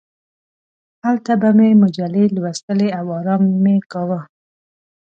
هلته به مې مجلې لوستلې او ارام مې کاوه.